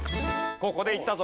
ここでいったぞ。